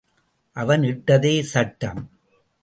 அவன் இட்டதே சட்டம்.